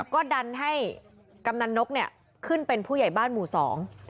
ก็ดันให้กำนันนกเนี่ยขึ้นเป็นผู้ใหญ่บ้านหมู่สอง